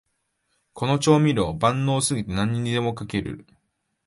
この調味料、万能すぎて何にでもかけてる